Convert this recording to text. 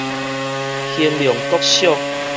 興隆國小